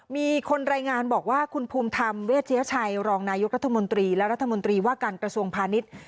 มีคนรายงานบอกว่าคุณภูมิธรรมเวชยชัยรองนายกรัฐมนตรีและรัฐมนตรีว่าการกระทรวงพาณิชย์